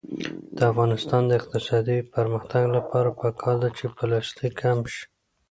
د افغانستان د اقتصادي پرمختګ لپاره پکار ده چې پلاستیک کم شي.